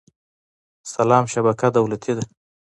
سلام شبکه دولتي ده